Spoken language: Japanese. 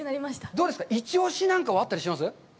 どうですか、一押しなんかはあったりします？